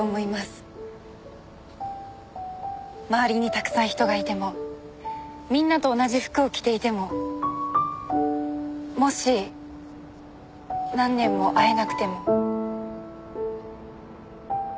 周りにたくさん人がいてもみんなと同じ服を着ていてももし何年も会えなくても。